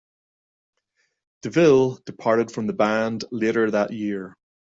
DeVille departed from the band later that year.